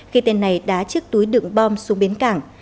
khi tên này đá chiếc túi đựng bom xuống bến cảng